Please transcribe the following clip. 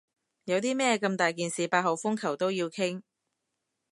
有啲咩咁大件事八號風球都要傾？